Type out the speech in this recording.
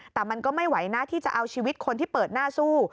แต่มันก็ไม่ไหวนะที่จะเอาชีวิตคนที่เปิดหน้าสู้